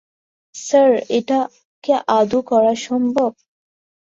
Sir, এটা কি আদৌ করা সম্ভব?